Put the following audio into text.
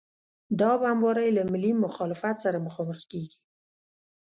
دا بمبارۍ له ملي مخالفت سره مخامخ کېږي.